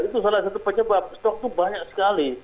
itu salah satu penyebab stok itu banyak sekali